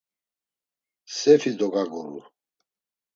Sefi dogaguru.